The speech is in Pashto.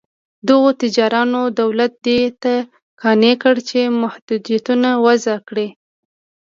دغو تاجرانو دولت دې ته قانع کړ چې محدودیتونه وضع کړي.